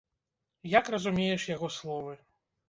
Як разумееш яго словы?